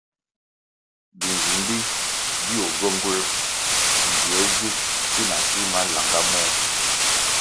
Binzindi bio gywenguer ngie zig si na si malanga môh.